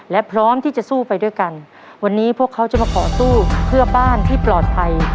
และพร้อมที่จะสู้ไปด้วยกันวันนี้พวกเขาจะมาขอสู้เพื่อบ้านที่ปลอดภัย